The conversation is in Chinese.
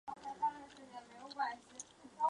有时作为一种精神或宗教的实践被运用。